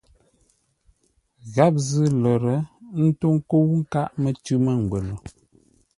Gháp zʉ́ lə̂r, ə́ ntó ńkə́u nkâʼ mətʉ̌ mə́ngwə́nə.